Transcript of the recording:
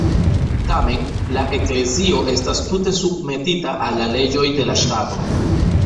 Tamen, la Eklezio estas tute submetita al la leĝoj de la ŝtato.